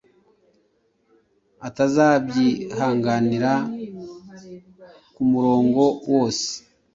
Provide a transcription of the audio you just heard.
atazabyihanganira kumurongo wose